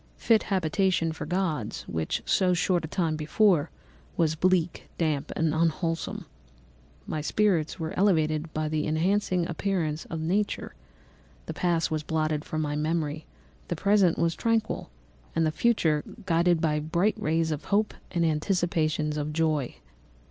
Fit habitation for gods, which, so short a time before, was bleak, damp, and unwholesome. My spirits were elevated by the enchanting appearance of nature; the past was blotted from my memory, the present was tranquil, and the future gilded by bright rays of hope and anticipations of joy."